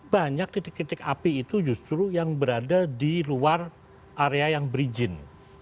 banyak titik titik api itu justru yang berada di luar area yang berizin